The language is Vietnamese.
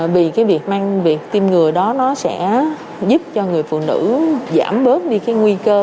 vì cái việc mang việc tiêm ngừa đó nó sẽ giúp cho người phụ nữ giảm bớt đi cái nguy cơ